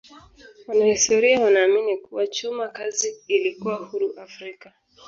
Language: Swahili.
Wanahistoria wanaamini kuwa chuma kazi ilikuwa huru Afrika.